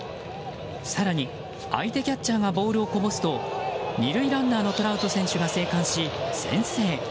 更に、相手キャッチャーがボールをこぼすと２塁ランナーのトラウト選手が生還し、先制。